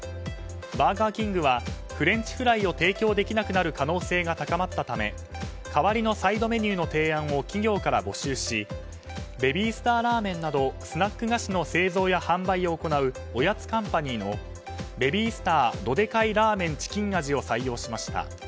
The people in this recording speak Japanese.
バーガーキングはフレンチフライを提供できなくなる可能性が高まったため代わりのサイドメニューの提案を企業から募集しベビースターラーメンなどスナック菓子の製造や販売を行うおやつカンパニーのベビースタードデカイラーメンチキン味を採用しました。